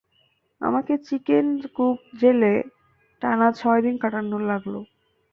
আমাকে chicken coop জেলে টানা ছয়দিন কাটানো লাগলো।